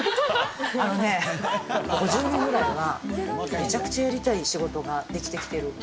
あのね、ここ１０年ぐらいは、めちゃくちゃやりたい仕事ができてきてる。